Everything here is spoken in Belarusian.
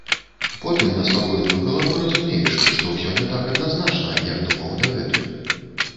Потым на спакойную галаву разумееш, што ўсё не так адназначна, як думаў дагэтуль.